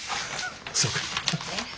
そうか。